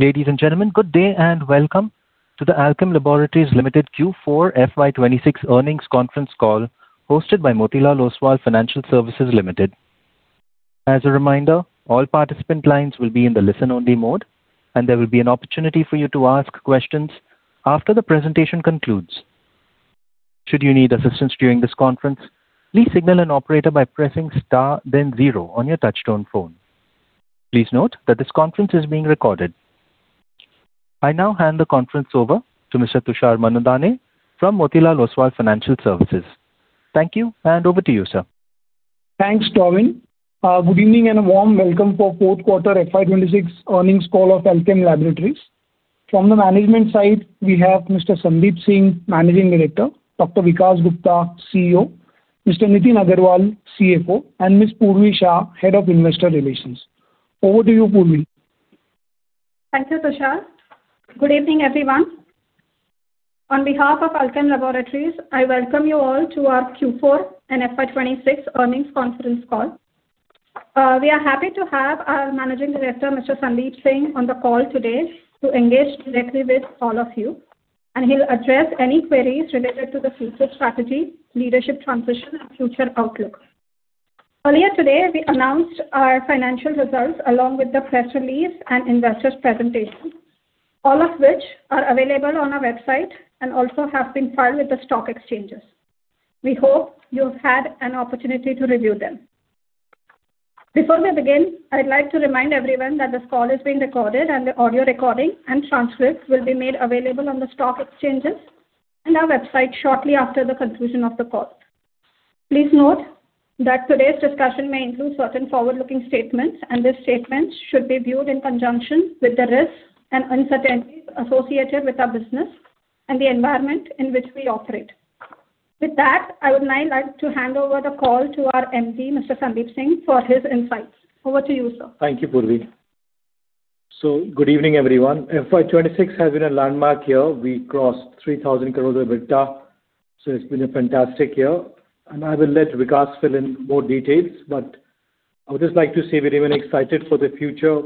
Ladies and gentlemen, good day and welcome to the Alkem Laboratories Limited Q4 FY 2026 earnings conference call hosted by Motilal Oswal Financial Services Limited. As a reminder, all participants' line will be in a listen-only mode and there will be an opportunity for you to ask questions after the presentation concludes. Should you need assistance during this conference, please signal an operator by pressing star then zero on your touch-tone phone. Please note that this conference is being recorded. I now hand the conference over to Mr. Tushar Manudhane from Motilal Oswal Financial Services. Thank you, and over to you, sir. Thanks, Darwin. Good evening and a warm welcome for fourth quarter FY 2026 earnings call of Alkem Laboratories. From the management side, we have Mr. Sandeep Singh, Managing Director, Dr. Vikas Gupta, CEO, Mr. Nitin Agrawal, CFO, and Ms. Purvi Shah, Head of Investor Relations. Over to you, Purvi. Thank you, Tushar. Good evening, everyone. On behalf of Alkem Laboratories, I welcome you all to our Q4 and FY 2026 earnings conference call. We are happy to have our Managing Director, Mr. Sandeep Singh, on the call today to engage directly with all of you, and he'll address any queries related to the future strategy, leadership transition, and future outlook. Earlier today, we announced our financial results along with the press release and investors presentation, all of which are available on our website and also have been filed with the stock exchanges. We hope you have had an opportunity to review them. Before we begin, I'd like to remind everyone that this call is being recorded and the audio recording and transcript will be made available on the stock exchanges and our website shortly after the conclusion of the call. Please note that today's discussion may include certain forward-looking statements, and these statements should be viewed in conjunction with the risks and uncertainties associated with our business and the environment in which we operate. With that, I would now like to hand over the call to our MD, Mr. Sandeep Singh, for his insights. Over to you, sir. Thank you, Purvi. Good evening, everyone. FY 2026 has been a landmark year. We crossed 3,000 crore EBITDA, so it's been a fantastic year, and I will let Vikas fill in more details, but I would just like to say we're even excited for the future,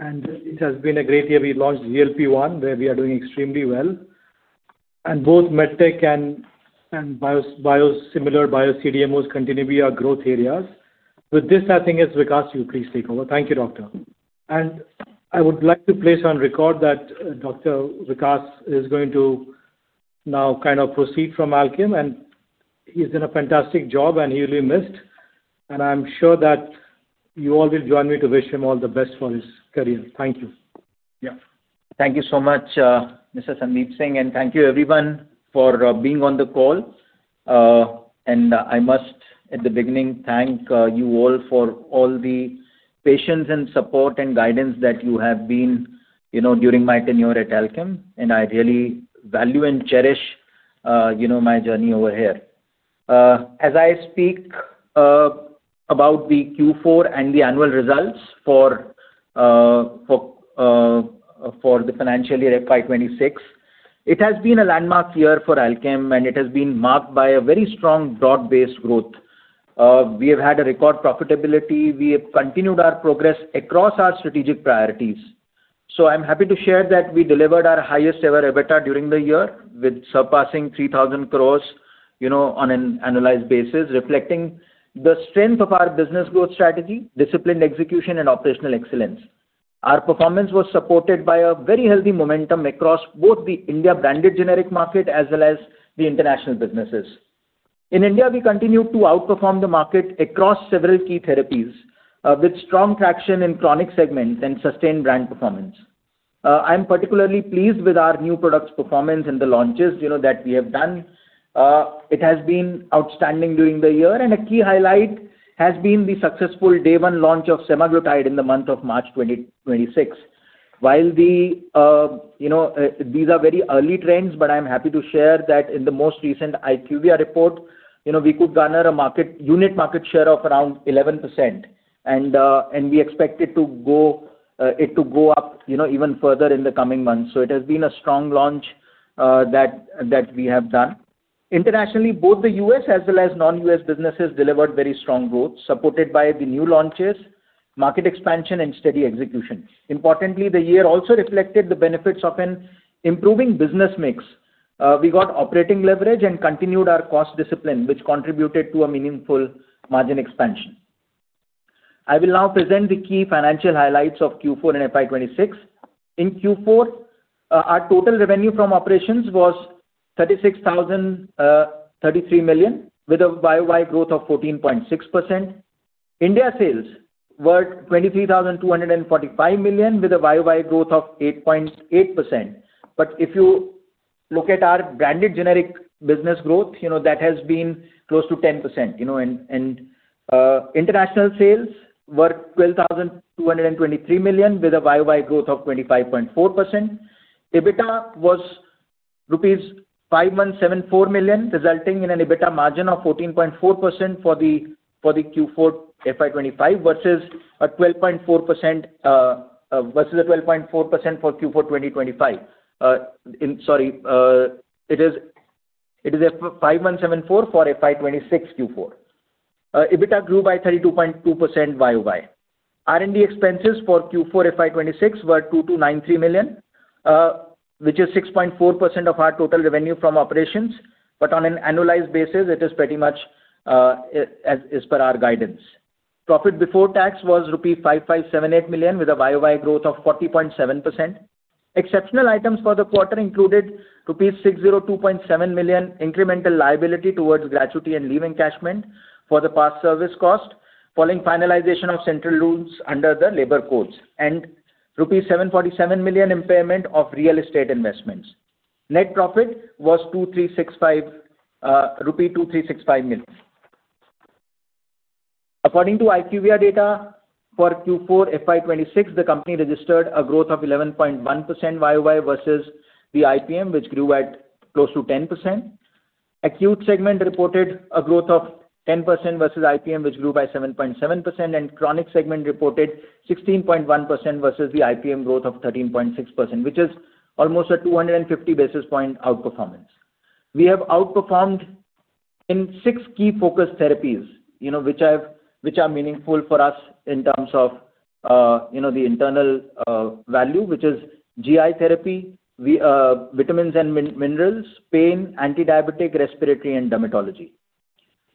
and it has been a great year. We launched GLP-1, where we are doing extremely well. Both MedTech and biosimilar Bio-CDMOs continue to be our growth areas. With this, I think it's Vikas, you please take over. Thank you, Dr. And I would like to place on record that Dr. Vikas is going to now proceed from Alkem, and he's done a fantastic job and he will be missed, and I'm sure that you all will join me to wish him all the best for his career. Thank you. Thank you so much, Mr. Sandeep Singh, and thank you, everyone, for being on the call. I must, at the beginning, thank you all for all the patience and support and guidance that you have been during my tenure at Alkem. I really value and cherish my journey over here. As I speak about the Q4 and the annual results for the financial year FY 2026, it has been a landmark year for Alkem, and it has been marked by a very strong broad-based growth. We have had a record profitability. We have continued our progress across our strategic priorities. I'm happy to share that we delivered our highest-ever EBITDA during the year, with surpassing 3,000 crore on an annualized basis, reflecting the strength of our business growth strategy, disciplined execution, and operational excellence. Our performance was supported by a very healthy momentum across both the India branded generics market as well as the international businesses. In India, we continued to outperform the market across several key therapies, with strong traction in chronic segments and sustained brand performance. I'm particularly pleased with our new products performance and the launches that we have done. It has been outstanding during the year. A key highlight has been the successful day one launch of semaglutide in the month of March 2026. These are very early trends but I'm happy to share that in the most recent IQVIA report, we could garner a unit market share of around 11%. We expect it to go up even further in the coming months. It has been a strong launch that we have done. Internationally, both the U.S. as well as non-U.S. businesses delivered very strong growth, supported by the new launches, market expansion, and steady execution. Importantly, the year also reflected the benefits of an improving business mix. We got operating leverage and continued our cost discipline, which contributed to a meaningful margin expansion. I will now present the key financial highlights of Q4 and FY 2026. In Q4, our total revenue from operations was 36,033 million, with a YoY growth of 14.6%. India sales were 23,245 million with a YoY growth of 8.8%. If you look at our branded generics business growth, that has been close to 10%. International sales were 12,223 million with a YoY growth of 25.4%. EBITDA was rupees 5,174 million, resulting in an EBITDA margin of 14.4% for the Q4 FY 2025 versus a 12.4% for Q4 2025. Sorry, it is 5,174 million for FY 2026 Q4. EBITDA grew by 32.2% YoY. R&D expenses for Q4 FY 2026 were 2,293 million, which is 6.4% of our total revenue from operations. On an annualized basis, it is pretty much as per our guidance. Profit before tax was rupees 5,578 million with a YoY growth of 40.7%. Exceptional items for the quarter included rupees 602.7 million incremental liability towards gratuity and leave encashment for the past service cost, following finalization of Central Rules under the Labour Codes, and rupees 747 million impairment of real estate investments. Net profit was 2,365 million rupee. According to IQVIA data for Q4 FY 2026, the company registered a growth of 11.1% YoY versus the IPM, which grew at close to 10%. Acute segment reported a growth of 10% versus IPM, which grew by 7.7%, and chronic segment reported 16.1% versus the IPM growth of 13.6%, which is almost a 250 basis points outperformance. We have outperformed in six key focus therapies, which are meaningful for us in terms of the internal value, which is GI therapy, vitamins and minerals, pain, antidiabetic, respiratory, and dermatology.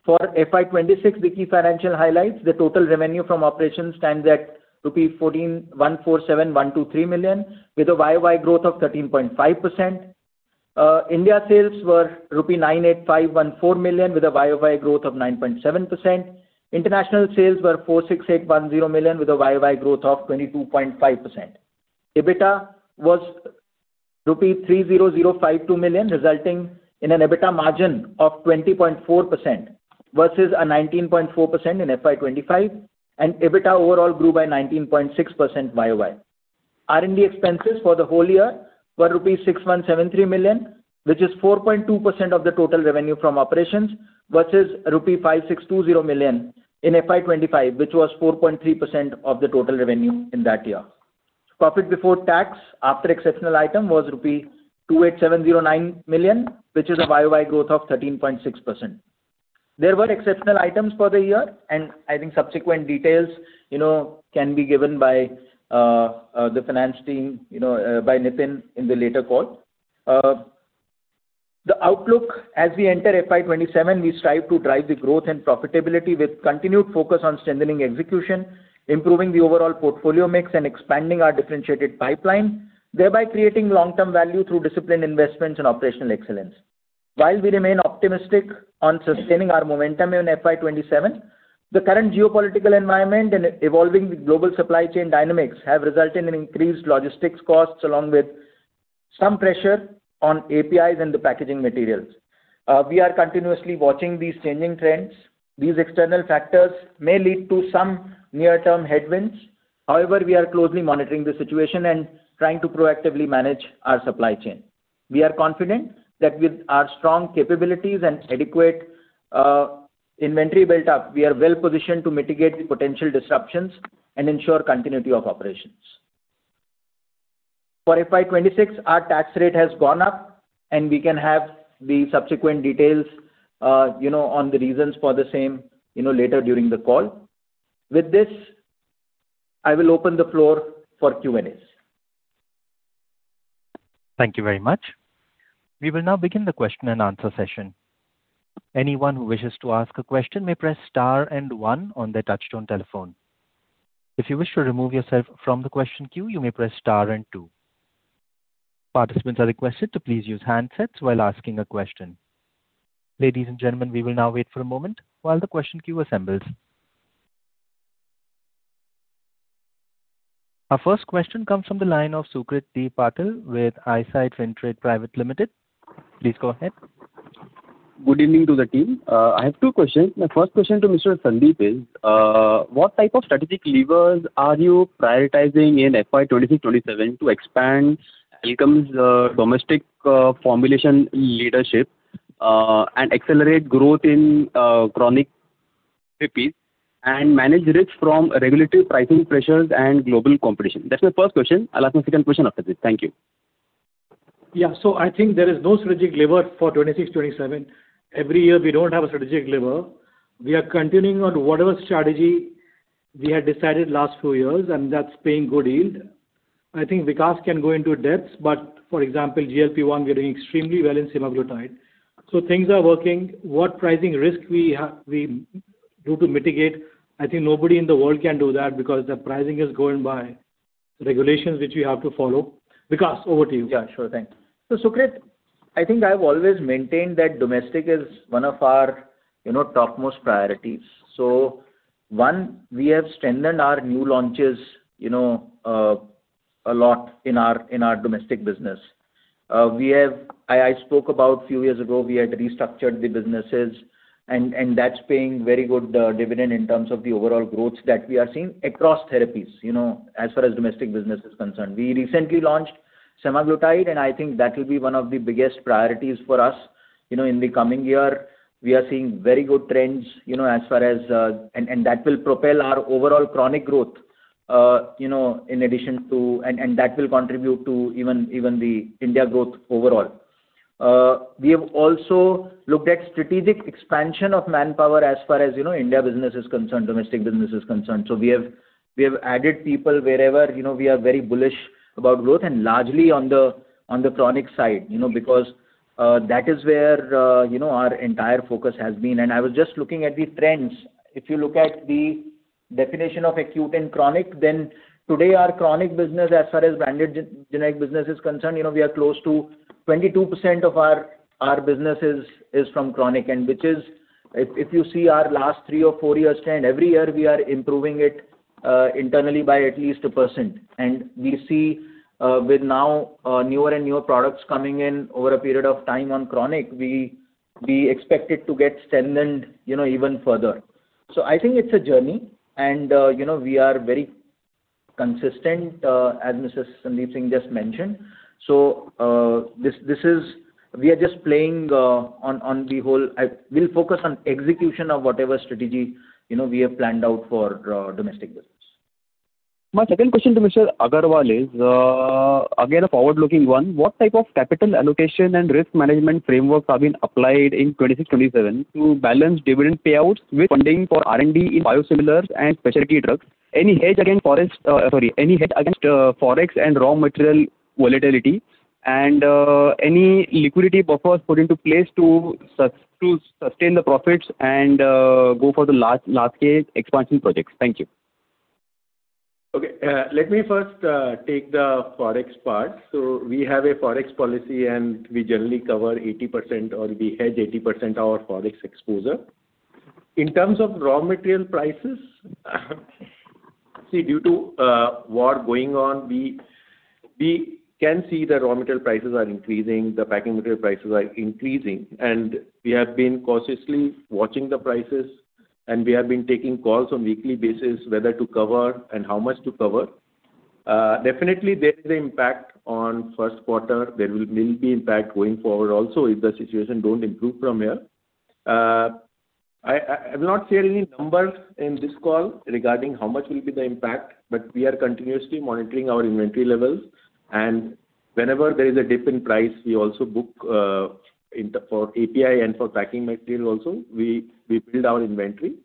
For FY 2026, the key financial highlights, the total revenue from operations stands at rupees 147,123 million with a YoY growth of 13.5%. India sales were rupees 98,514 million with a YoY growth of 9.7%. International sales were 46,810 million with a YoY growth of 22.5%. EBITDA was rupee 30,052 million, resulting in an EBITDA margin of 20.4% versus a 19.4% in FY 2025, and EBITDA overall grew by 19.6% YoY. R&D expenses for the whole year were rupees 6,173 million, which is 4.2% of the total revenue from operations versus rupees 5,620 million in FY 2025, which was 4.3% of the total revenue in that year. Profit before tax, after exceptional item, was rupee 28,709 million, which is a YoY growth of 13.6%. There were exceptional items for the year, and I think subsequent details can be given by the finance team, by Nitin in the later call. The outlook as we enter FY 2027, we strive to drive the growth and profitability with continued focus on strengthening execution, improving the overall portfolio mix, and expanding our differentiated pipeline, thereby creating long-term value through disciplined investments and operational excellence. While we remain optimistic on sustaining our momentum in FY 2027, the current geopolitical environment and evolving global supply chain dynamics have resulted in increased logistics costs, along with some pressure on APIs and the packaging materials. We are continuously watching these changing trends. These external factors may lead to some near-term headwinds. However, we are closely monitoring the situation and trying to proactively manage our supply chain. We are confident that with our strong capabilities and adequate inventory built up, we are well-positioned to mitigate the potential disruptions and ensure continuity of operations. For FY 2026, our tax rate has gone up, and we can have the subsequent details on the reasons for the same later during the call. With this, I will open the floor for Q&As. Thank you very much. We will now begin the question-and-answer session. Anyone who wishes to ask a question may press star and one on their touch-tone telephone. If you wish to remove yourself from the question queue, you may press star and two. Participants are requested to please use handsets while asking a question. Ladies and gentlemen, we will now wait for a moment while the question queue assembles. Our first question comes from the line of Sucrit D. Patil with Eyesight Fintrade Private Limited. Please go ahead. Good evening to the team. I have two questions. My first question to Mr. Sandeep is, what type of strategic levers are you prioritizing in FY 2026, 2027 to expand Alkem's domestic formulation leadership and accelerate growth in chronic therapies and manage risk from regulatory pricing pressures and global competition? That's my first question. I'll ask my second question after this. Thank you. Yeah. I think there is no strategic lever for 2026, 2027. Every year, we don't have a strategic lever. We are continuing on whatever strategy we had decided last few years, and that's paying good yield. I think Vikas can go into depths, but for example, GLP-1, we are doing extremely well in semaglutide, so things are working. What pricing risk we do to mitigate, I think nobody in the world can do that because the pricing is going by regulations which we have to follow. Vikas, over to you. Yeah, sure, thanks. Sucrit, I think I've always maintained that domestic is one of our topmost priorities. One, we have strengthened our new launches a lot in our domestic business. I spoke about a few years ago, we had restructured the businesses, and that's paying very good dividend in terms of the overall growth that we are seeing across therapies as far as domestic business is concerned. We recently launched semaglutide, and I think that will be one of the biggest priorities for us in the coming year. We are seeing very good trends, and that will propel our overall chronic growth, and that will contribute to even the India growth overall. We have also looked at strategic expansion of manpower as far as India business is concerned, domestic business is concerned. We have added people wherever we are very bullish about growth and largely on the chronic side, because that is where our entire focus has been. I was just looking at the trends. If you look at the definition of acute and chronic, then today our chronic business as far as branded generics business is concerned, we are close to 22% of our business is from chronic. If you see our last three- or four-years trend, every year we are improving it internally by at least 1%. We see, with now newer and newer products coming in over a period of time on chronic, we expect it to get strengthened even further. I think it's a journey and we are very consistent, as Mr. Sandeep Singh just mentioned. We are just playing on the whole, we will focus on execution of whatever strategy we have planned out for domestic business. My second question to Mr. Agrawal is, again, a forward-looking one. What type of capital allocation and risk management frameworks have been applied in 2026, 2027 to balance dividend payouts with funding for R&D in biosimilars and specialty drugs? Any hedge against Forex and raw material volatility, and any liquidity buffers put into place to sustain the profits and go for the large-scale expansion projects? Thank you. Okay. Let me first take the Forex part. We have a Forex policy, and we generally cover 80% or we hedge 80% our Forex exposure. In terms of raw material prices, see, due to war going on, we can see the raw material prices are increasing, the packing material prices are increasing, and we have been cautiously watching the prices, and we have been taking calls on weekly basis whether to cover and how much to cover. Definitely, there is an impact on first quarter. There will be impact going forward also if the situation don't improve from here. I've not shared any numbers in this call regarding how much will be the impact, but we are continuously monitoring our inventory levels. Whenever there is a dip in price, we also book for API and for packing material also, we build our inventory.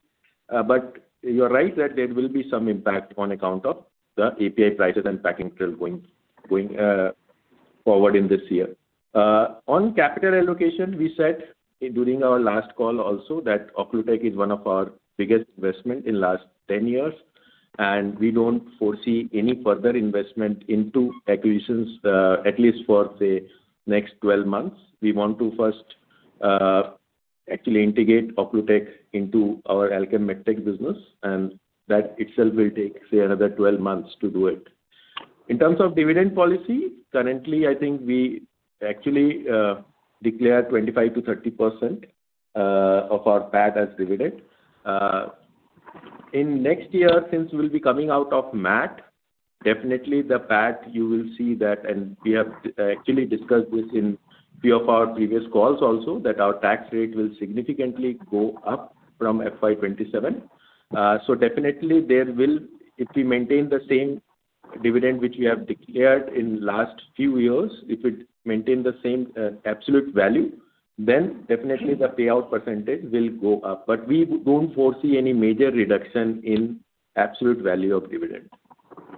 You are right that there will be some impact on account of the API prices and packing material going forward in this year. On capital allocation, we said during our last call also that Occlutech is one of our biggest investments in last 10 years, and we don't foresee any further investment into acquisitions, at least for, say, next 12 months. We want to first actually integrate Occlutech into our Alkem MedTech business, and that itself will take, say, another 12 months to do it. In terms of dividend policy, currently, I think we actually declare 25% to 30% of our PAT as dividend. In next year, since we'll be coming out of MAT, definitely the PAT, you will see that, and we have actually discussed this in few of our previous calls also that our tax rate will significantly go up from FY 2027. Definitely, if we maintain the same dividend which we have declared in last few years, if it maintains the same absolute value, then definitely the payout percentage will go up, but we don't foresee any major reduction in absolute value of dividend.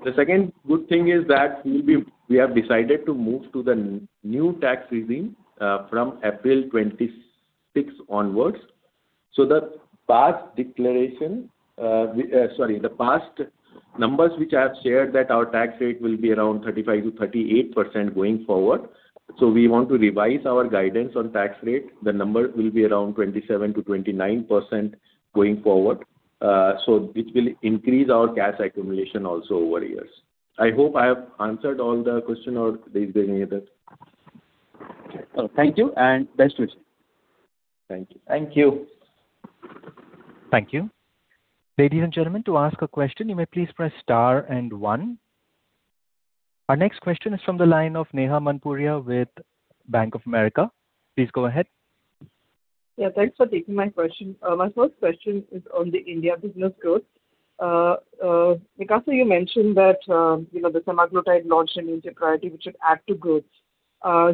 The second good thing is that we have decided to move to the new tax regime from April 2026 onwards. The past numbers which I have shared that our tax rate will be around 35%-38% going forward, so we want to revise our guidance on tax rate. The number will be around 27%-29% going forward. It will increase our cash accumulation also over years. I hope I have answered all the question, or is there any other? Okay. Thank you, and best wishes. Thank you. Thank you. Thank you. Ladies and gentlemen, to ask a question, you may please press star and one. Our next question is from the line of Neha Manpuria with Bank of America. Please go ahead. Yeah, thanks for taking my question. My first question is on the India business growth. Vikas, you mentioned that the semaglutide launch in India priority, which should add to growth.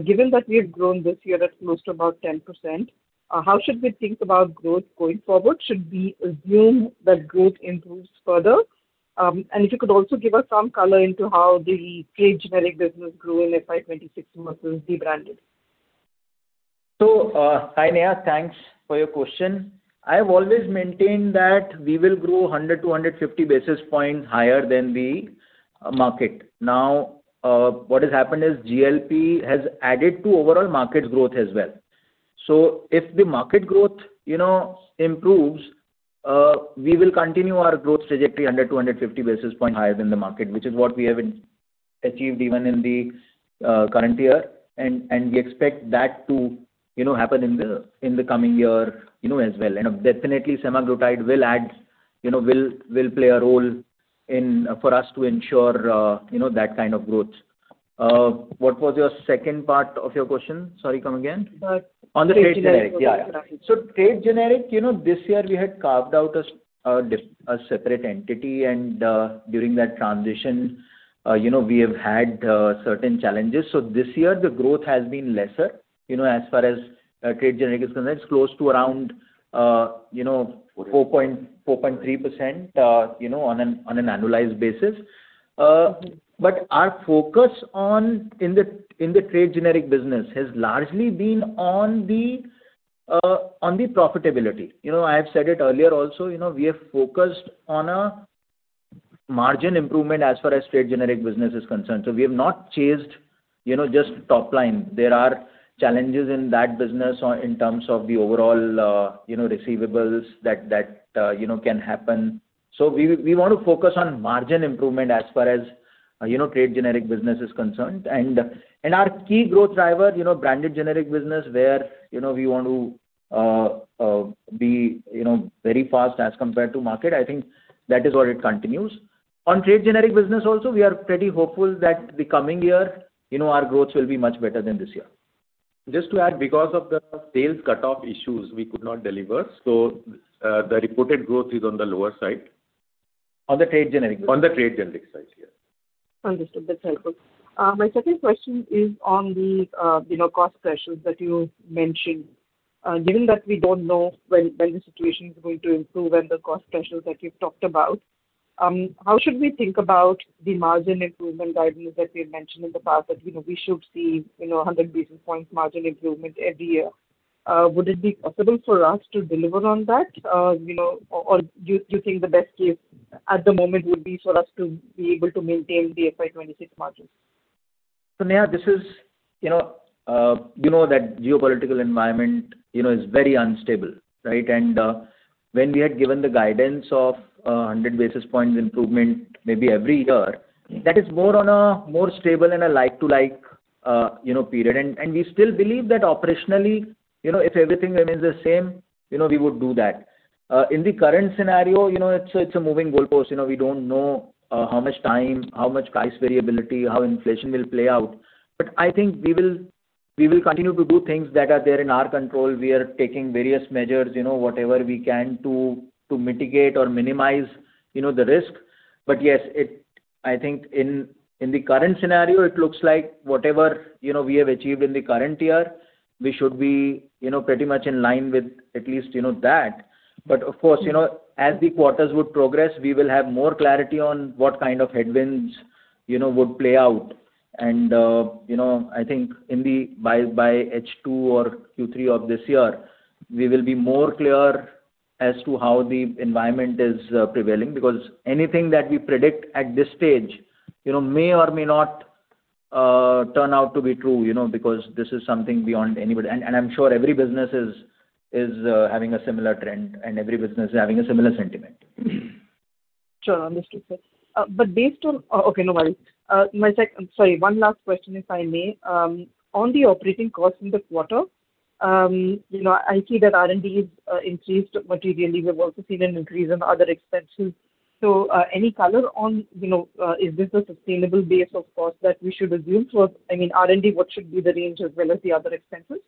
Given that we have grown this year at close to about 10%, how should we think about growth going forward? Should we assume that growth improves further? If you could also give us some color into how the trade generics business grew in FY 2026 versus the branded. Hi Neha, thanks for your question. I have always maintained that we will grow 100-150 basis points higher than the market. Now, what has happened is GLP has added to overall market growth as well. If the market growth improves, we will continue our growth trajectory 100-150 basis point higher than the market, which is what we have achieved even in the current year, and we expect that to happen in the coming year as well. Definitely, semaglutide will play a role for us to ensure that kind of growth. What was your second part of your question? Sorry, come again. Trade generics. On the trade generics. Yeah. Trade generics, this year we had carved out a separate entity, and during that transition, we have had certain challenges. This year, the growth has been lesser as far as trade generics is concerned. It's close to around 4.3% on an annualized basis. But our focus in the trade generics business has largely been on the profitability. I've said it earlier also, we are focused on a margin improvement as far as trade generics business is concerned. We have not chased just top line. There are challenges in that business in terms of the overall receivables that can happen, so we want to focus on margin improvement as far as trade generics business is concerned. Our key growth driver, branded generics business where we want to be very fast as compared to market, I think that is where it continues. On trade generics business also, we are pretty hopeful that the coming year, our growth will be much better than this year. Just to add, because of the sales cutoff issues, we could not deliver, so the reported growth is on the lower side. On the trade generics. On the trade generics side, yeah. Understood. That is helpful. My second question is on the cost pressures that you mentioned. Given that we do not know when the situation is going to improve and the cost pressures that you have talked about, how should we think about the margin improvement guidance that we had mentioned in the past that we should see 100 basis points margin improvement every year? Would it be possible for us to deliver on that? Do you think the best case at the moment would be for us to be able to maintain the FY 2026 margins? Neha, you know that geopolitical environment is very unstable, right? When we had given the guidance of 100 basis points improvement maybe every year, that is more on a more stable and a like-to-like period. We still believe that operationally, if everything remains the same, we would do that. In the current scenario, it's a moving goal post. We don't know how much time, how much price variability, how inflation will play out. I think we will continue to do things that are there in our control. We are taking various measures, whatever we can to mitigate or minimize the risk. But yes, I think in the current scenario, it looks like whatever we have achieved in the current year, we should be pretty much in line with at least that. Of course, as the quarters would progress, we will have more clarity on what kind of headwinds would play out. I think by H2 or Q3 of this year, we will be more clear as to how the environment is prevailing, because anything that we predict at this stage may or may not turn out to be true, because this is something beyond anybody. I'm sure every business is having a similar trend and every business is having a similar sentiment. Sure. Understood, sir. Okay, no worries. Sorry, one last question, if I may. On the operating costs in the quarter, I see that R&D has increased materially. We've also seen an increase in other expenses. Any color on, is this a sustainable base of cost that we should assume for, I mean, R&D, what should be the range as well as the other expenses?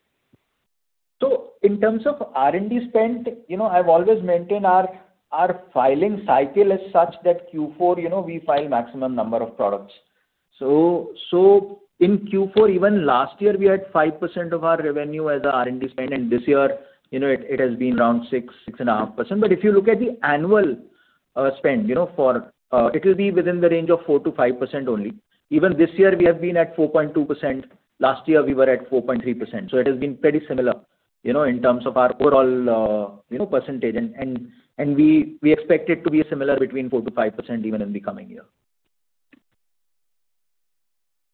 In terms of R&D spend, I've always maintained our filing cycle as such that Q4, we file maximum number of products. In Q4, even last year, we had 5% of our revenue as a R&D spend, and this year, it has been around 6%-6.5%. If you look at the annual spend, it will be within the range of 4%-5% only. Even this year, we have been at 4.2%. Last year, we were at 4.3%. It has been pretty similar in terms of our overall percentage. We expect it to be similar between 4%-5% even in the coming year.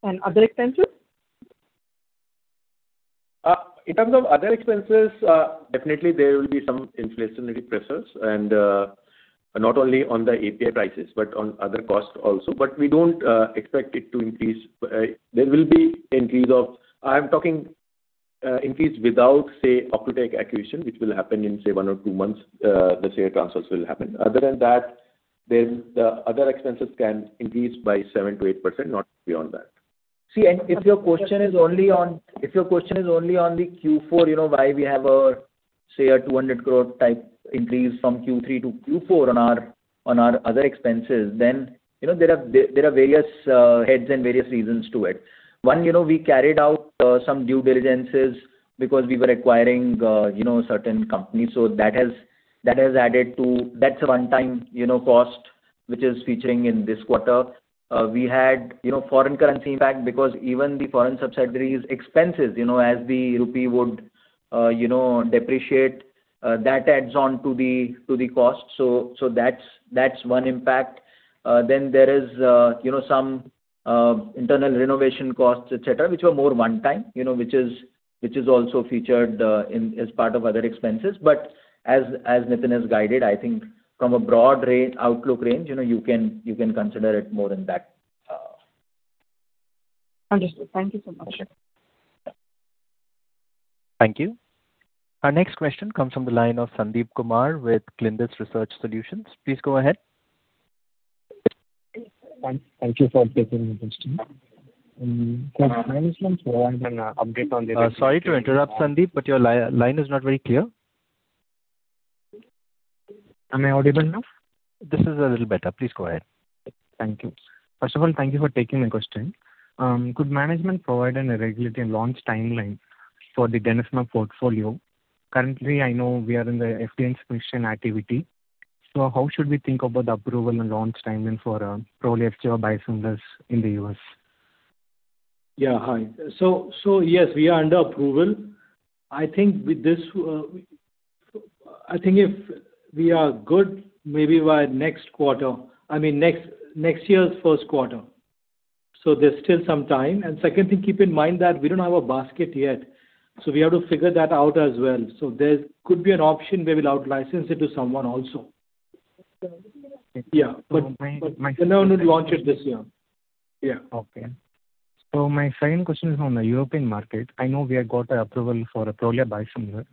On other expenses? In terms of other expenses, definitely there will be some inflationary pressures, and not only on the API prices, but on other costs also, but we don't expect it to increase. There will be increase of, I'm talking increase without, say, Occlutech acquisition, which will happen in, say, one or two months, the share transfers will happen. Other than that, the other expenses can increase by 7%-8%, not beyond that. See, if your question is only on the Q4, why we have a, say, 200 crore type increase from Q3 to Q4 on our other expenses, then there are various heads and various reasons to it. One, we carried out some due diligences because we were acquiring certain companies. That's a one-time cost, which is featuring in this quarter. We had foreign currency impact because even the foreign subsidiaries expenses as the rupee would depreciate, that adds on to the cost. That's one impact. There is some internal renovation costs, et cetera, which were more one-time, which is also featured as part of other expenses. As Nitin has guided, I think from a broad outlook range, you can consider it more than that. Understood. Thank you so much. Thank you. Our next question comes from the line of Sandeep Kumar with Clindus Research Solutions. Please go ahead. Thank you for taking my question. Could management provide an update? Sorry to interrupt, Sandeep, but your line is not very clear. Am I audible now? This is a little better. Please go ahead. Thank you. First of all, thank you for taking my question. Could management provide an regulatory launch timeline for the denosumab portfolio? Currently, I know we are in the FDA submission activity. How should we think about the approval and launch timing for Prolia or biosimilars in the U.S.? Yeah. Hi. Yes, we are under approval. I think if we are good, maybe by next quarter, I mean next year's first quarter. There's still some time. Second thing, keep in mind that we don't have a basket yet, so we have to figure that out as well. There could be an option where we'll out-license it to someone also. Okay. Yeah. We'll launch it this year. Yeah. Okay. My second question is on the European market. I know we have got the approval for Prolia biosimilar.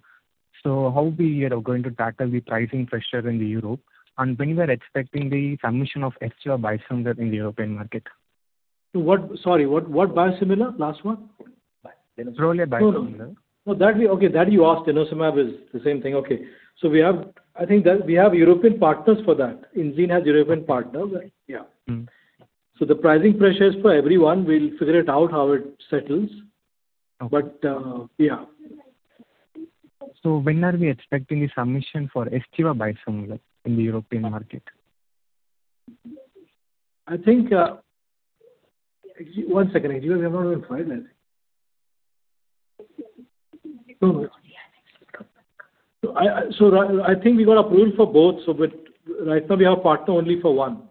How we are going to tackle the pricing pressure in Europe and when we are expecting the submission of Xgeva biosimilar in the European market? Sorry, what biosimilar? Last one. Prolia biosimilar. No. That, okay, that you asked, denosumab is the same thing, okay. I think that we have European partners for that. Enzene has European partners. Yeah. The pricing pressure is for everyone. We'll figure it out how it settles. Okay. But, yeah. When are we expecting the submission for Xgeva biosimilar in the European market? I think, one second. I think we got approved for both, but right now, we have partner only for one.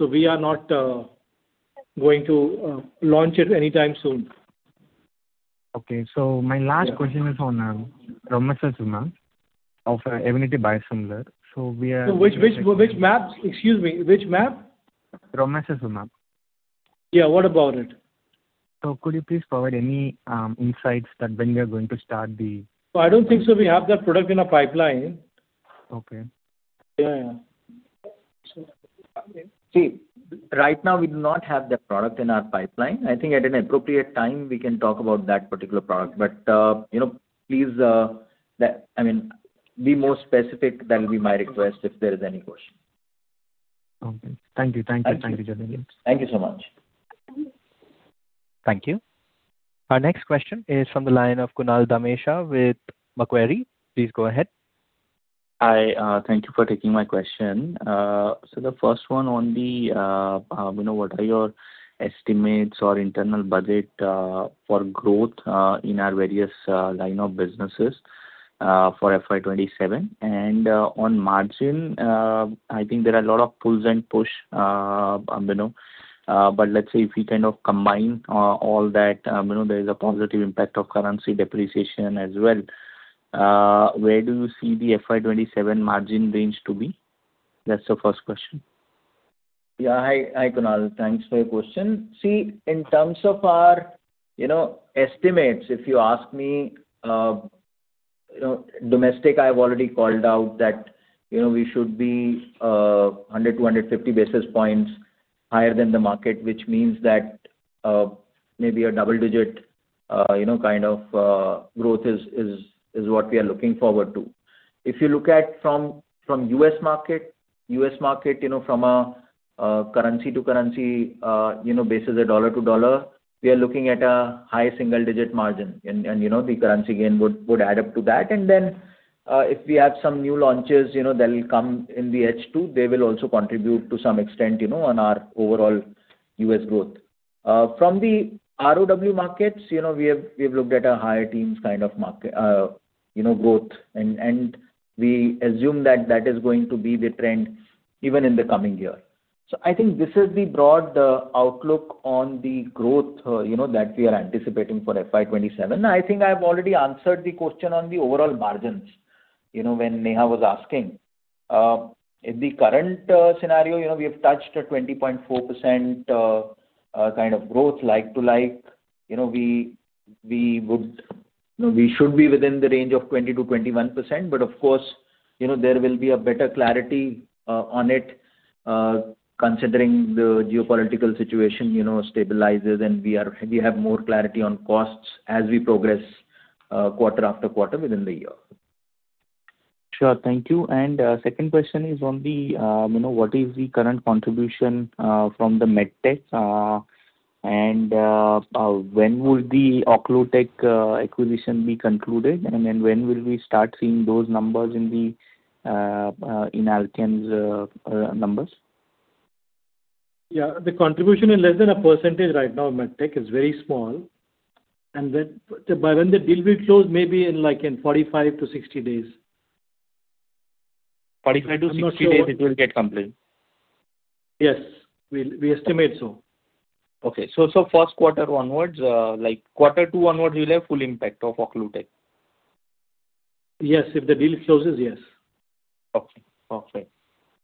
We are not going to launch it anytime soon. Okay. My last question is on romosozumab of Evenity biosimilar. Which mab? Excuse me, which mab? Romosozumab. Yeah. What about it? Could you please provide any insights that when we are going to start? I don't think so we have that product in our pipeline. Okay. Yeah. See, right now, we do not have that product in our pipeline. I think at an appropriate time, we can talk about that particular product. Please, I mean, be more specific, that will be my request if there is any question. Okay. Thank you. Thank you. Thank you, gentlemen. Thank you so much. Thank you. Our next question is from the line of Kunal Dhamesha with Macquarie. Please go ahead. Hi. Thank you for taking my question. The first one on what are your estimates or internal budget for growth in our various line of businesses for FY 2027? On margin, I think there are a lot of pulls and push, but let's say, if we kind of combine all that, there is a positive impact of currency depreciation as well. Where do you see the FY 2027 margin range to be? That's the first question. Yeah. Hi, Kunal. Thanks for your question. See, in terms of our estimates, if you ask me, domestic, I've already called out that we should be 100-150 basis points higher than the market, which means that maybe a double-digit kind of growth is what we are looking forward to. If you look at from U.S. market, from a currency to currency basis, a dollar-to-dollar, we are looking at a high single-digit margin. The currency gain would add up to that. If we have some new launches, they'll come in the H2. They will also contribute to some extent on our overall U.S. growth. From the ROW markets, we've looked at a high teens kind of growth, and we assume that that is going to be the trend even in the coming year. I think this is the broad outlook on the growth that we are anticipating for FY 2027. I think I've already answered the question on the overall margins when Neha was asking. In the current scenario, we have touched a 20.4% kind of growth, like to like. We should be within the range of 20%-21%, but of course, there will be a better clarity on it, considering the geopolitical situation stabilizes and we have more clarity on costs as we progress quarter after quarter within the year. Sure. Thank you. Second question is on the, what is the current contribution from the MedTech, and when will the Occlutech acquisition be concluded, and when will we start seeing those numbers in the Alkem's numbers? Yeah. The contribution is less than a percentage right now in MedTech, it's very small. When the deal will close, maybe in like in 45-60 days. 45-60 days it will get completed? Yes. We estimate so. Okay. So, first quarter onwards, like quarter two onwards, you'll have full impact of Occlutech? Yes. If the deal closes, yes. Okay.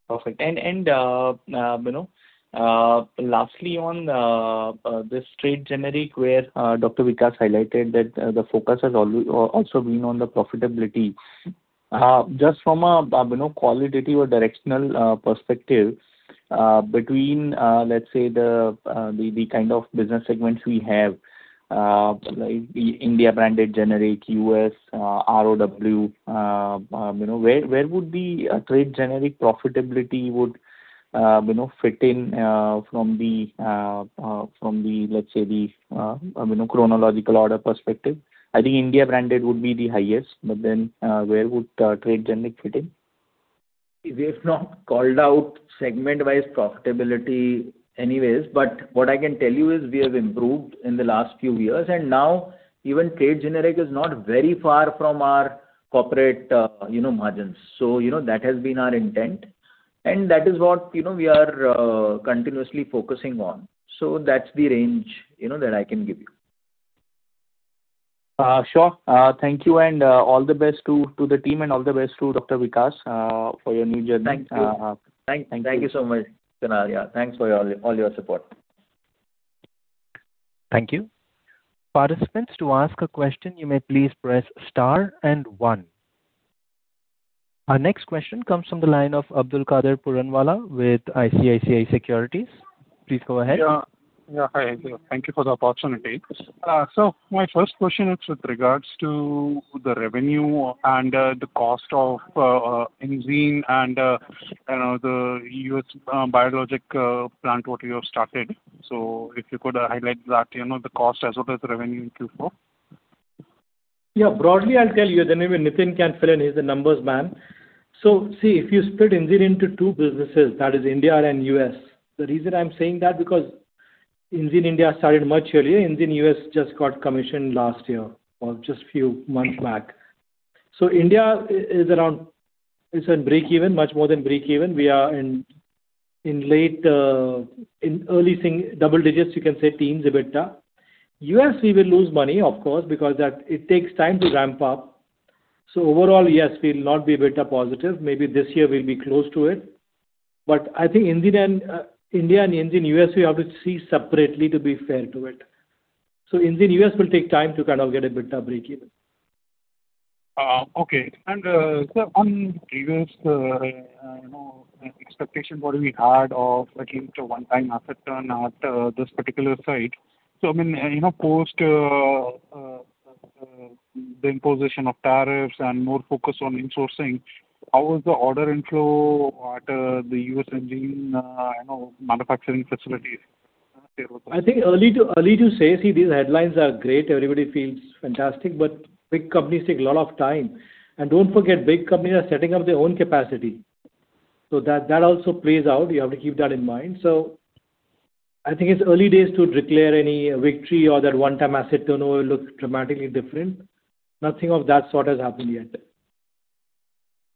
Perfect. And lastly on this trade generics where Dr. Vikas highlighted that the focus has also been on the profitability. Just from a qualitative or directional perspective, between let's say the kind of business segments we have, like the India branded generics, U.S., ROW, where would the trade generics profitability would fit in from the, let's say, the chronological order perspective? I think India branded would be the highest, but then where would trade generics fit in? We've not called out segment-wise profitability anyways, but what I can tell you is we have improved in the last few years, and now even trade generics is not very far from our corporate margins. That has been our intent, and that is what we are continuously focusing on. That's the range that I can give you. Sure. Thank you and all the best to the team and all the best to Dr. Vikas for your new journey. Thank you. Thank you. Thank you so much, Kunal. Yeah, thanks for all your support. Thank you. Participants, to ask a question, you may please press star and one. Our next question comes from the line of Abdulkader Puranwala with ICICI Securities. Please go ahead. Yeah. Hi. Thank you for the opportunity. My first question is with regards to the revenue and the cost of Enzene and the U.S. biologic plant, what you have started. If you could highlight that, the cost as well as revenue in Q4. Yeah. Broadly, I'll tell you, then maybe Nitin can fill in, he's the numbers man. See, if you split Enzene into two businesses, that is India and U.S. The reason I'm saying that, because Enzene India started much earlier, Enzene U.S. just got commissioned last year or just few months back. India is around break even, much more than break even. We are in early double digits, you can say teen EBITDA. U.S., we will lose money, of course, because it takes time to ramp up. Overall, yes, we'll not be EBITDA positive. Maybe this year we'll be close to it. I think India and Enzene U.S. we have to see separately to be fair to it. Enzene U.S. will take time to kind of get EBITDA break even. Okay. Sir, on previous expectation what we had of again it's a one-time asset turn at this particular site. I mean, post the imposition of tariffs and more focus on insourcing, how is the order inflow at the U.S. Enzene manufacturing facilities? I think early to say. See, these headlines are great. Everybody feels fantastic, but big companies take a lot of time. Don't forget, big companies are setting up their own capacity. That also plays out. You have to keep that in mind. I think it's early days to declare any victory or that one-time asset turnover looks dramatically different. Nothing of that sort has happened yet.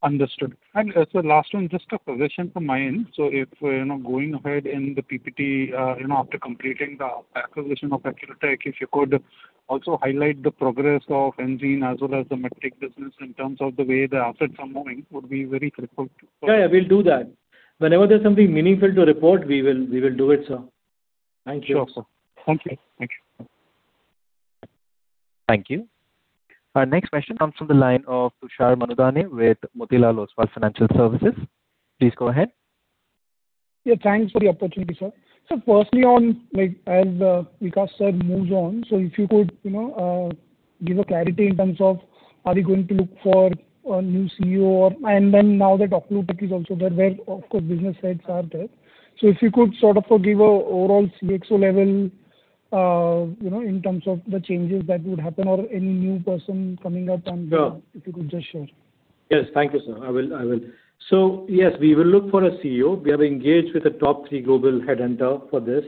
Understood. Sir, last one, just a provision from my end. If, going ahead in the PPT after completing the acquisition of Occlutech, if you could also highlight the progress of Enzene as well as the MedTech business in terms of the way the assets are moving would be very critical. Yeah. We'll do that. Whenever there's something meaningful to report, we will do it, sir. Thank you. Sure, sir. Thank you. Thank you. Our next question comes from the line of Tushar Manudhane with Motilal Oswal Financial Services. Please go ahead. Yeah, thanks for the opportunity, sir. Firstly on, as Vikas sir moves on, if you could give a clarity in terms of are we going to look for a new CEO or, and then now that Occlutech is also there, where, of course, business heads are there, so if you could sort of give overall CxO level in terms of the changes that would happen or any new person coming up. Yeah. If you could just share. Yes. Thank you, sir. I will. Yes, we will look for a CEO. We have engaged with a top-tier global headhunter for this,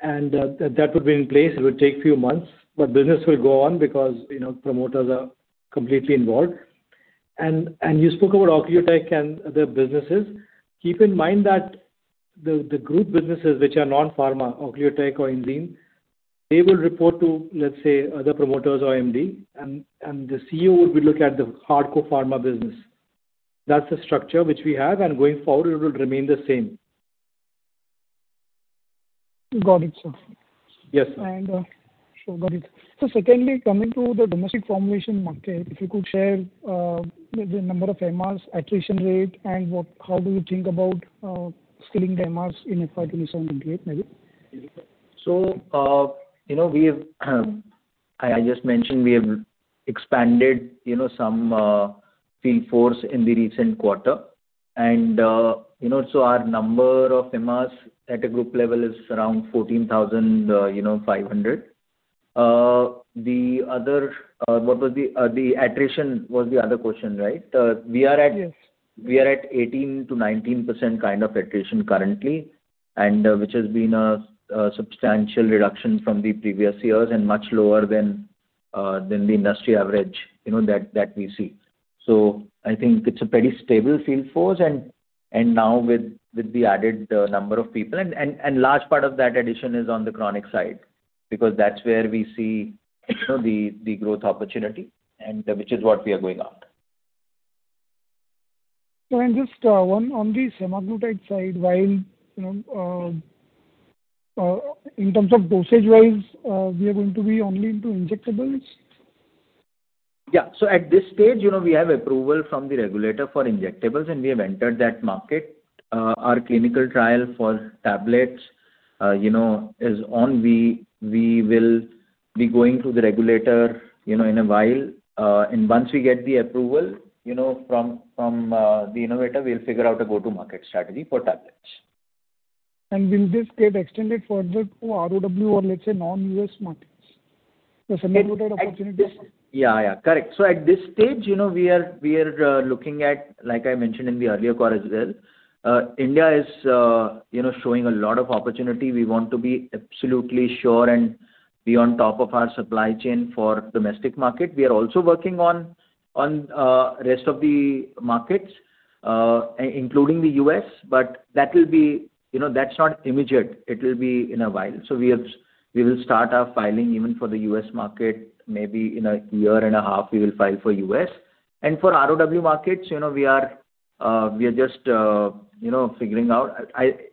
and that would be in place. It would take few months, but business will go on because promoters are completely involved. You spoke about Occlutech and their businesses. Keep in mind that the group businesses which are non-pharma, Occlutech or Enzene, they will report to, let's say, the promoters or MD, and the CEO would be looking at the hardcore pharma business. That's the structure which we have, and going forward, it will remain the same. Got it, sir. Yes. Sure. Got it. Secondly, coming to the domestic formulation market, if you could share the number of MRs, attrition rate, and how do you think about scaling the MRs in FY 2028, maybe? I just mentioned we have expanded some field force in the recent quarter. Our number of MRs at a group level is around 14,500. The attrition was the other question, right? Yes. We are at 18%-19% kind of attrition currently, and which has been a substantial reduction from the previous years and much lower than the industry average that we see. I think it's a pretty stable field force and now, with the added number of people, and large part of that addition is on the chronic side because that's where we see, actually, the growth opportunity, and which is what we are going after. Just one on the semaglutide side, in terms of dosage-wise, we are going to be only into injectables? Yeah. At this stage, we have approval from the regulator for injectables, and we have entered that market. Our clinical trial for tablets is on. We will be going to the regulator in a while, and once we get the approval from the innovator, we'll figure out a go-to-market strategy for tablets. Will this get extended further to ROW or let's say non-U.S. markets? The semaglutide opportunity. Yeah. Correct. At this stage, we are looking at, like I mentioned in the earlier call as well, India is showing a lot of opportunity. We want to be absolutely sure and be on top of our supply chain for domestic market. We are also working on rest of the markets, including the U.S., but that's not immediate. It will be in a while. We will start our filing even for the U.S. market. Maybe in a year and a half we will file for U.S. For ROW markets, we are just figuring out.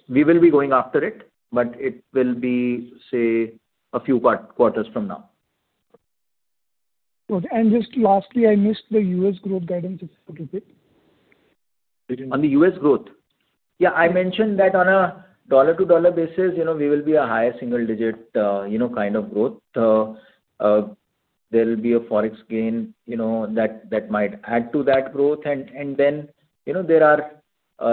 We will be going after it, but it will be, say, a few quarters from now. Good. Just lastly, I missed the U.S. growth guidance. Could you repeat? On the U.S. growth? Yeah, I mentioned that on a dollar-to-dollar basis, we will be a higher single digit kind of growth. There'll be a Forex gain that might add to that growth. Then, there are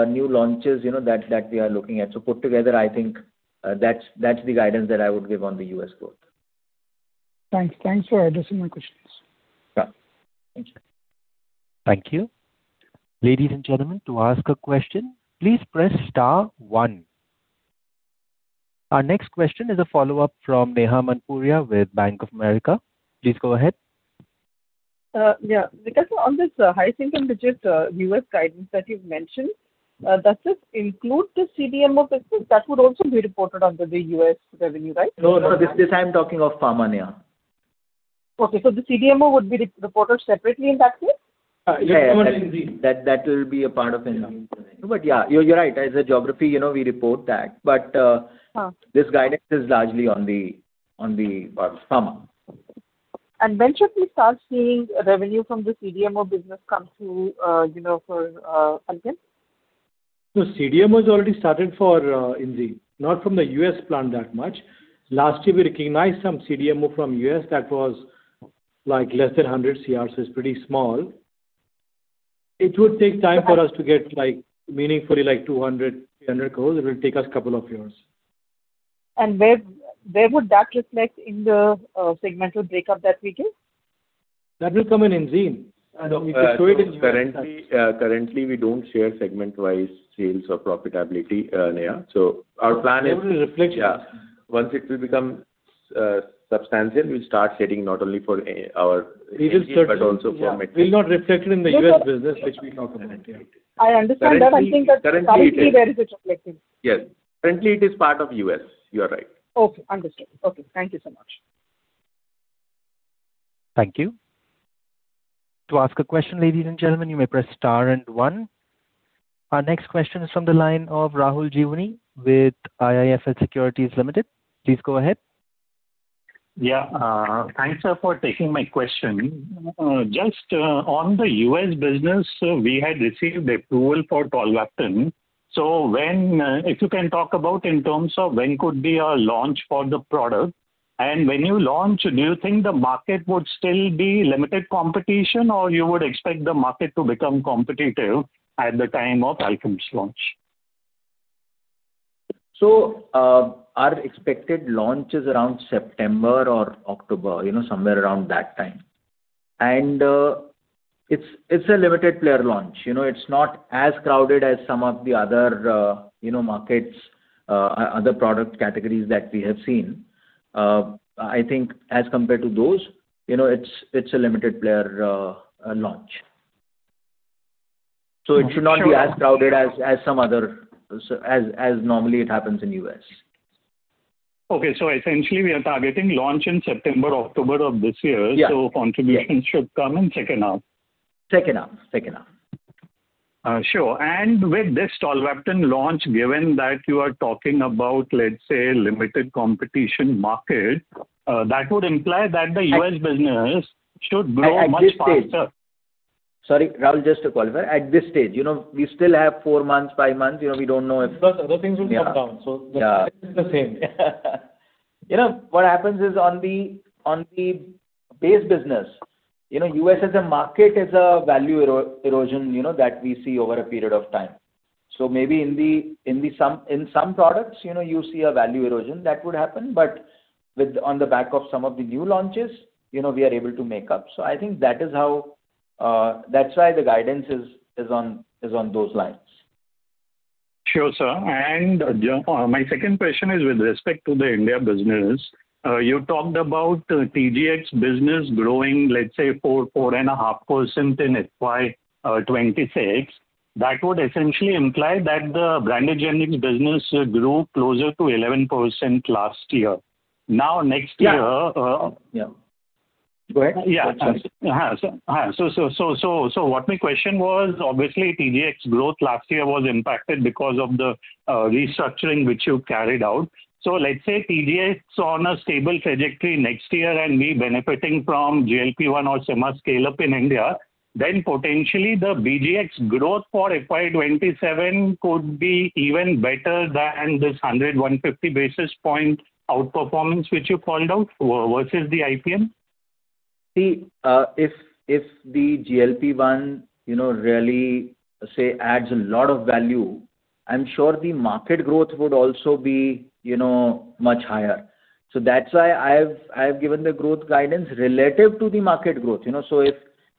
new launches that we are looking at. Put together, I think that's the guidance that I would give on the U.S. growth. Thanks for addressing my questions. Yeah. Thank you. Thank you. Ladies and gentlemen, to ask a question, please press star one. Our next question is a follow-up from Neha Manpuria with Bank of America. Please go ahead. Yeah. Vikas, on this high-single-digit U.S. guidance that you've mentioned, does this include the CDMO business that would also be reported under the U.S. revenue, right? No, this, I am talking of pharma, Neha. Okay, so the CDMO would be reported separately in that case? Yeah. It would be Enzene. That will be a part of Enzene. Yeah, you're right. As a geography, we report that, but this guidance is largely on the pharma. When should we start seeing revenue from the CDMO business come through for Alkem? No, CDMO has already started for Enzene, not from the U.S. plant that much. Last year, we recognized some CDMO from U.S. that was less than 100 crore, so it's pretty small. It would take time for us to get meaningfully 200 crore, 300 crore. It will take us a couple of years. Where would that reflect in the segmental breakup that we give? That will come in Enzene. We could show it in. Currently, we don't share segment-wise sales or profitability, Neha. It will reflect. Yeah. Once it will become substantial, we'll start sharing not only for our Enzene but also for MedTech. It will not reflect in the U.S. business which we talk about. I understand that. I think that, currently, where is it reflecting? Yes. Currently, it is part of U.S. You are right. Okay. Understood. Okay. Thank you so much. Thank you. To ask a question, ladies and gentlemen, you may press star and one. Our next question is from the line of Rahul Jeewani with IIFL Securities Limited. Please go ahead. Yeah. Thanks for taking my question. Just on the U.S. business, we had received approval for tolvaptan. If you can talk about in terms of when could be a launch for the product, and when you launch, do you think the market would still be limited competition, or you would expect the market to become competitive at the time of Alkem's launch? Our expected launch is around September or October, somewhere around that time. It's a limited player launch. It's not as crowded as some of the other markets, other product categories that we have seen. I think as compared to those, it's a limited player launch. It should not be as crowded as normally it happens in the U.S. Okay. Essentially, we are targeting launch in September, October of this year? Yeah. Contribution should come in second half. Second half. Sure. With this tolvaptan launch, given that you are talking about, let's say, limited competition market, that would imply that the U.S. business should grow much faster. Sorry, Rahul, just to qualify. At this stage, we still have four months, five months. We don't know if. Because other things will come down. Yeah. It's the same. What happens is on the base business, U.S. as a market is a value erosion that we see over a period of time. Maybe in some products, you see a value erosion that would happen, but on the back of some of the new launches, we are able to make up. I think that's why the guidance is on those lines. Sure, sir. My second question is with respect to the India business. You talked about TGx business growing, let's say, 4%-4.5% in FY 2026. That would essentially imply that the branded generics business grew closer to 11% last year. Yeah. Go ahead. What my question was, obviously TGx growth last year was impacted because of the restructuring which you carried out. Let's say TGx on a stable trajectory next year and be benefiting from GLP-1 or sema scale-up in India, then potentially the BGx growth for FY 2027 could be even better than this 100-150 basis point outperformance which you called out versus the IPM? If the GLP-1 really adds a lot of value, I'm sure the market growth would also be much higher. That's why I've given the growth guidance relative to the market growth.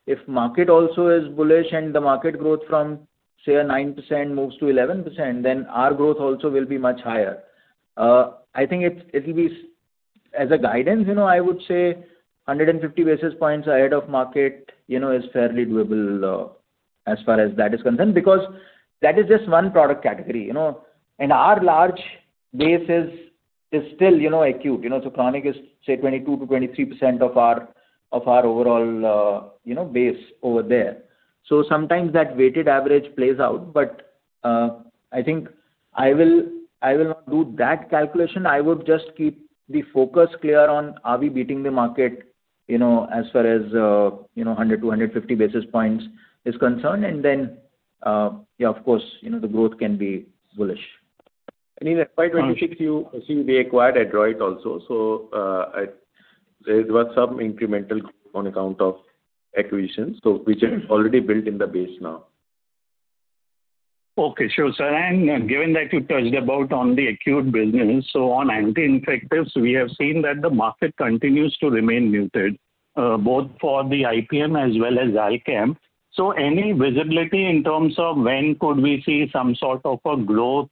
If market also is bullish and the market growth from, say, 9% moves to 11%, then our growth also will be much higher. I think as a guidance, I would say 150 basis points ahead of market is fairly doable as far as that is concerned, because that is just one product category. And our large base is still acute. Chronic is, say, 22%-23% of our overall base over there. Sometimes that weighted average plays out. I think I will not do that calculation. I would just keep the focus clear on, are we beating the market, as far as 100 basis points, 250 basis points is concerned, and then of course, the growth can be bullish. In FY 2026, you see we acquired Adroit also, so there was some incremental on account of acquisitions. We just already built in the base now. Okay. Sure, sir. Given that you touched about on the acute business, on anti-infectives, we have seen that the market continues to remain muted, both for the IPM as well as Alkem. Any visibility in terms of when could we see some sort of a growth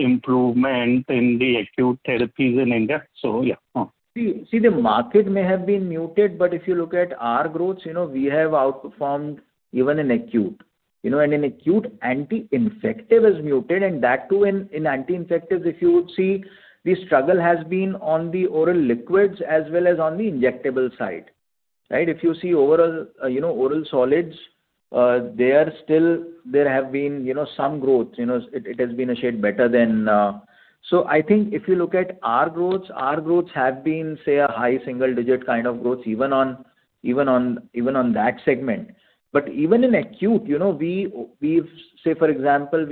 improvement in the acute therapies in India? The market may have been muted, if you look at our growth, we have outperformed even in acute. In acute, anti-infective is muted, and that too in anti-infectives, if you see, the struggle has been on the oral liquids as well as on the injectable side. Right? If you see overall oral solids, there have been some growth. It has been a shade better. I think if you look at our growths, our growths have been, say, a high single-digit kind of growth, even on that segment. Even in acute, say, for example,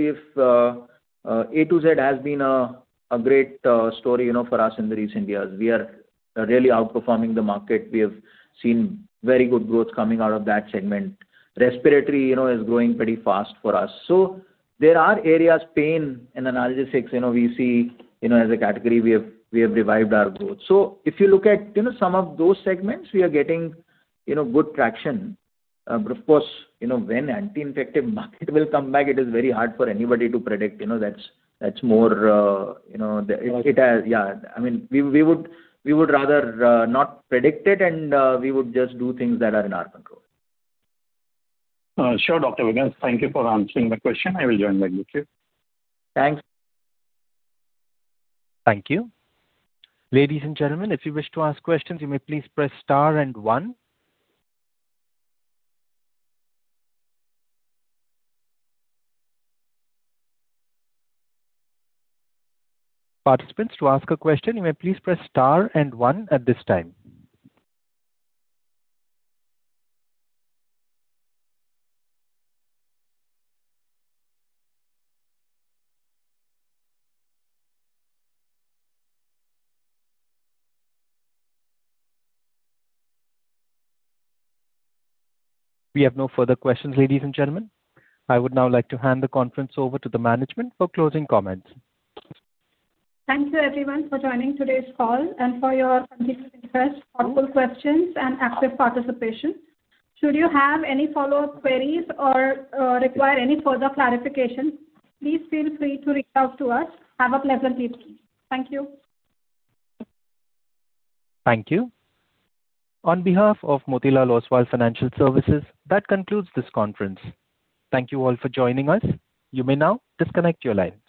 A to Z has been a great story for us in the recent years. We are really outperforming the market. We have seen very good growth coming out of that segment. Respiratory is growing pretty fast for us. There are areas, pain and analgesics, we see as a category we have revived our growth. If you look at some of those segments, we are getting good traction. Of course, when anti-infective market will come back, it is very hard for anybody to predict. We would rather not predict it, and we would just do things that are in our control. Sure, Dr. Vikas. Thank you for answering my question. I will join back the queue. Thanks. Thank you. Ladies and gentlemen, if you wish to ask questions, you may please press star and one. Participants, to ask a question, you may please press star and one at this time. We have no further questions, ladies and gentlemen. I would now like to hand the conference over to the management for closing comments. Thank you everyone for joining today's call and for your continued interest, thoughtful questions, and active participation. Should you have any follow-up queries or require any further clarification, please feel free to reach out to us. Have a pleasant week. Thank you. Thank you. On behalf of Motilal Oswal Financial Services, that concludes this conference. Thank you all for joining us. You may now disconnect your lines.